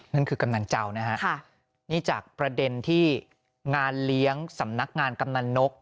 นั่นคือกำนันเจ้านะฮะนี่จากประเด็นที่งานเลี้ยงสำนักงานกำนันนก